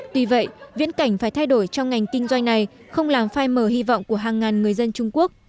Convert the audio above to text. tuy vậy viễn cảnh phải thay đổi trong ngành kinh doanh này không làm phai mờ hy vọng của hàng ngàn người dân trung quốc